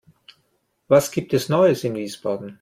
Was gibt es Neues in Wiesbaden?